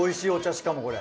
しかもこれ。